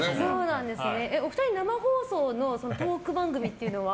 お二人、生放送のトーク番組っていうのは？